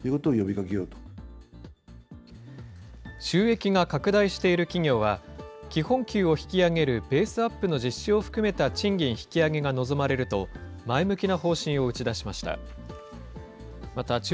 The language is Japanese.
収益が拡大している企業は、基本給を引き上げるベースアップの実施を含めた賃金引き上げが望まれると、前向きな方針を打ち出しました。